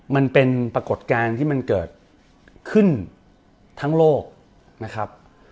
มันเป็นปรากฏการณ์ที่มันเกิดขึ้นทั้งโลกนะครับ